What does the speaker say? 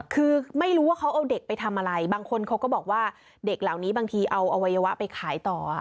คือไม่รู้ว่าเขาเอาเด็กไปทำอะไรบางคนเขาก็บอกว่าเด็กเหล่านี้บางทีเอาอวัยวะไปขายต่อ